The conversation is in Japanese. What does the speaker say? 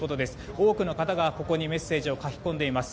多くの方がここにメッセージを書き込んでいます。